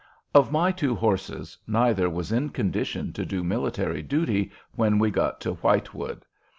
Of my two horses, neither was in condition to do military duty when we got to Whitewood.